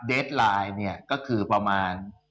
เด็ดไลน์ก็คือประมาณ